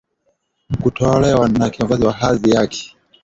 kutolewa na kiongozi wa hadhi yaki